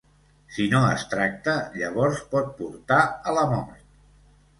Si no es tracta, llavors pot portar a la mort.